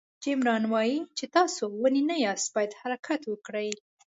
جیم ران وایي چې تاسو ونې نه یاست باید حرکت وکړئ.